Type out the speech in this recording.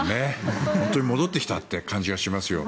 本当に戻ってきたという感じがしますよ。